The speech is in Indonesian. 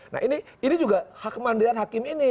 nah ini juga hak kemandiran hakim ini